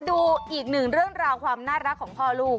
ดูอีกหนึ่งเรื่องราวความน่ารักของพ่อลูก